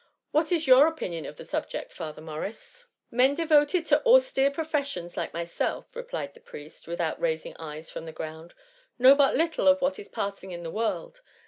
What is your opinion of the .subject;^ Father Morris ?'' THE MUMMY. 161 a Men devoted to austere professions like myself,^ replied the priest, without raising his eyes from the ground, " know but little of what is passing in the world.